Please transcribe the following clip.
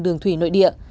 đường thủy nội địa